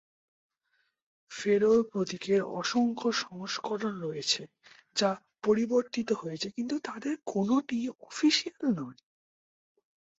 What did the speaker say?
ফেরোর প্রতীকের অসংখ্য সংস্করণ রয়েছে যা পরিবর্তিত হয়েছে, কিন্তু তাদের কোনটিই অফিসিয়াল নয়।